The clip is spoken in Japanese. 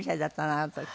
あの時。